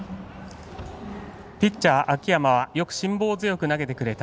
ピッチング、秋山は辛抱強く投げてくれた。